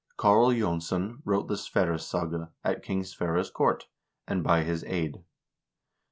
Karl Jonsson wrote the "Sverressaga" at King Sverre's court, and by his aid.